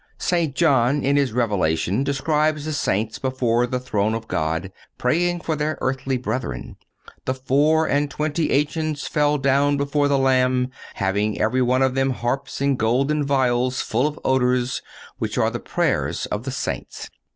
St. John in his Revelation describes the Saints before the throne of God praying for their earthly brethren: "The four and twenty ancients fell down before the Lamb, having every one of them harps and golden vials full of odors, which are the prayers of the saints."